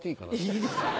いいですよ。